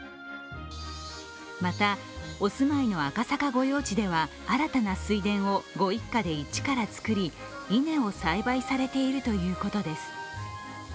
また、お住まいの赤坂御用地では新たな水田をご一家で一から作り稲を栽培されているということです。